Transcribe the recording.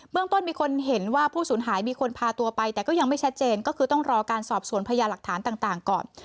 ต้นมีคนเห็นว่าผู้สูญหายมีคนพาตัวไปแต่ก็ยังไม่ชัดเจนก็คือต้องรอการสอบสวนพยาหลักฐานต่างก่อน